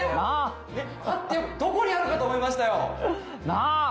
あってどこにあるかと思いましたよなあ？